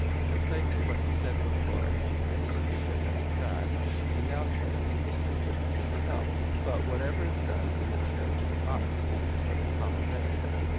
In place of what he had said before — that he spieaketh unto God, he now says — he speaketh to himself. But whatever is done in the Church, ought to be for the common benefit.